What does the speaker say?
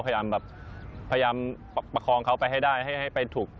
พยายามประคองเขาไปให้ได้ให้ไปถูก